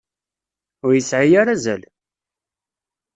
Ur yesɛi ara azal!